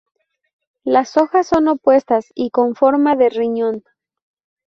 Las hojas son opuestas y con forma de riñón.